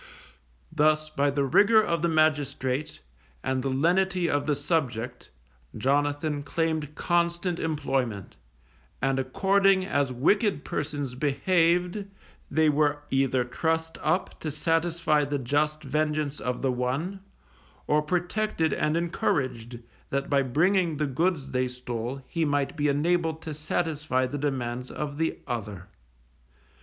Thus by the rigour of the magistrate, and the lenity of the subject, Jonathan claimed constant employment, and according as wicked persons behaved, they were either trussed up to satisfy the just vengeance of the one, or protected and encouraged, that by bringing the goods they stole he might be enabled to satisfy the demands of the other.